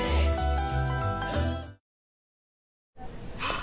あ！